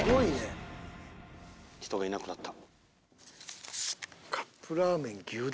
人がいなくなった。